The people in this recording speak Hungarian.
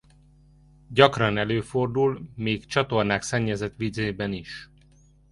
Gyakran előfordul még csatornák szennyezett vizében is.